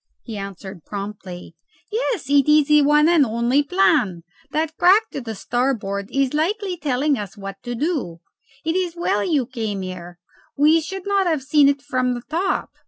He answered promptly, "Yes; it is the one and only plan. That crack to starboard is like telling us what to do. It is well you came here. We should not have seen it from the top.